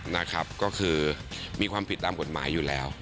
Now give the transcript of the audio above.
นะครับก็คือมีความผิดตามกฎหมายอยู่แล้ว